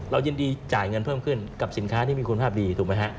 ยินดีจ่ายเงินเพิ่มขึ้นกับสินค้าที่มีคุณภาพดีถูกไหมฮะ